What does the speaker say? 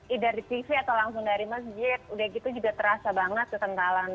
either di tv atau langsung dari masjid udah gitu juga terasa banget ketentalan